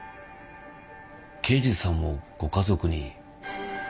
刑事さんもご家族に。